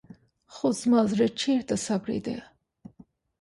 خو زما زړه چېرته صبرېده.